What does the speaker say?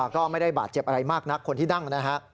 ก็ไม่ได้บาดเจ็บอะไรมากนักคนที่นั่งนะฮะ